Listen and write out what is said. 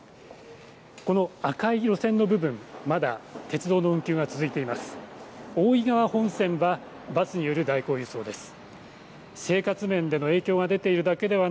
この赤い路線の部分、まだ鉄道の運休が続いています。